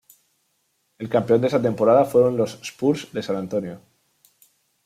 El campeón de esa temporada fueron los Spurs de San Antonio.